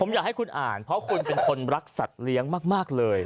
ผมอยากให้คุณอ่านเพราะคุณเป็นคนรักสัตว์เลี้ยงมากเลย